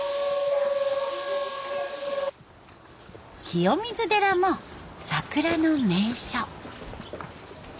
清水寺も桜の名所。